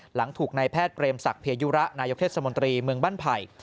หลังถูกนายแพทย์เปรมศักดิยุระนายกเทศมนตรีเมืองบ้านไผ่